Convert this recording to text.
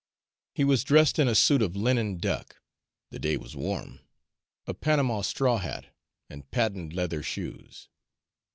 He was dressed in a suit of linen duck the day was warm a panama straw hat, and patent leather shoes.